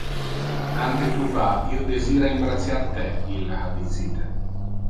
"Ante tu va, io desira imbraciar te", illa ha dicite.